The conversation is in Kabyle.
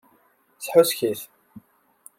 Shuskit-t!